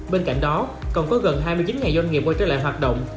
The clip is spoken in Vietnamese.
bên cạnh đó còn có gần hai mươi chín doanh nghiệp quay trở lại hoạt động